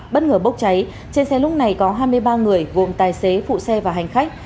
bất ngờ bốc cháy trên xe lúc này có hai mươi ba người gồm tài xế phụ xe và hành khách